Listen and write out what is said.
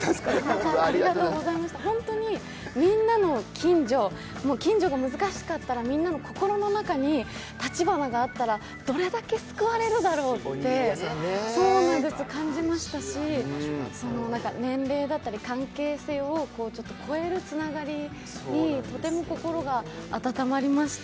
本当にみんなの近所、近所が難しかったらみんなの心の中に、たちばながあったら、どれだけ救われるだろうって感じましたし、年齢だったり関係性を越えるつながりにとても心が温まりました。